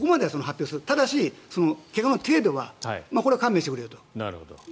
ただし怪我の程度は勘弁してくれよと。